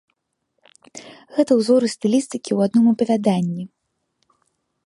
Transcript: Гэта ўзоры стылістыкі ў адным апавяданні.